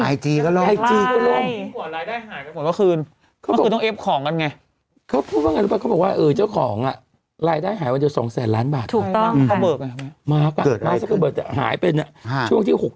ไอจีก็ล่มไอจีก็ล่มที่ก่อนรายได้หายกันเมื่อคืน